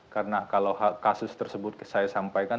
karena kalau kasus tersebut saya sampaikan